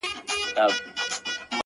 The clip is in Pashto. • هره ورځ حلالیدل غوايی پسونه ,